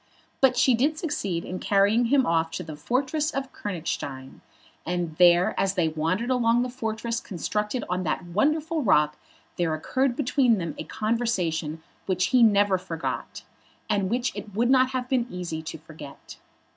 But she did succeed in carrying him off to the fortress of Königstein; and there as they wandered along the fortress constructed on that wonderful rock there occurred between them a conversation which he never forgot, and which it would not have been easy to forget.